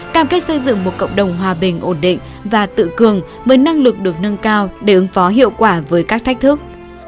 cam kết xây dựng một cộng đồng hòa bình ổn định và tự cường với năng lực được nâng cao để ứng phó hiệu quả với các thách thức